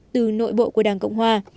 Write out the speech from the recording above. từ nội bộ của đảng cộng hòa